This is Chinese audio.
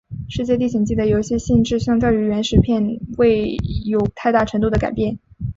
世界历险记的游戏性质相较于原始片并未有太大程度的改变。